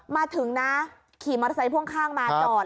มาถึงนะขี่มอเตอร์ไซค์พ่วงข้างมาจอด